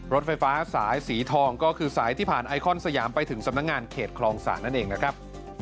รถไฟฟ้าสายสีทองก็คือสายที่ผ่านไอคอนสยามไปถึงสำนักงานเขตคลองศาลนั่นเองนะครับ